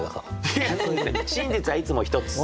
真実はいつもひとつ！